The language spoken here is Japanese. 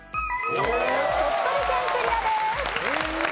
鳥取県クリアです。